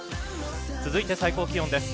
続いて最高気温です。